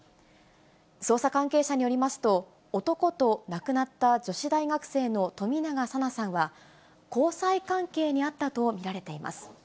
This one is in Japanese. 捜査関係者によりますと、男と亡くなった女子大学生の冨永紗菜さんは、交際関係にあったと見られています。